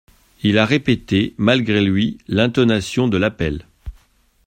Il a répété, malgré lui, l’intonation de l’appel.